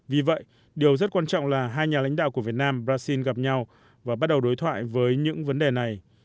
vì vậy điều rất quan trọng là hai nhà lãnh đạo của việt nam brazil gặp nhau và bắt đầu đối thoại với những vấn đề này